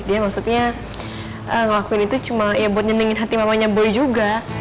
dia maksudnya ngelakuin itu cuma ya buat nyendingin hati mamanya boy juga